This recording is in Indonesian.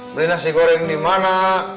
beli nasi goreng dimana